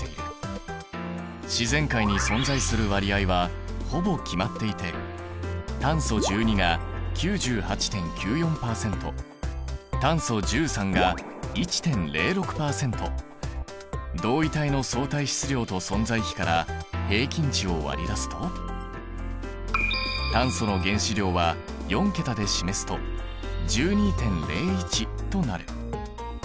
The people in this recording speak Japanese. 自然界に存在する割合はほぼ決まっていて同位体の相対質量と存在比から平均値を割り出すと炭素の原子量は４桁で示すと１２．０１となる。